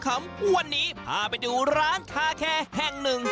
ตลอดข่าวข้ำวันนี้พาไปดูร้านคาแคแห่งหนึ่ง